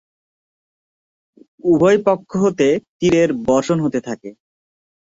উভয় পক্ষ হতে তীরের বর্ষণ হতে থাকে।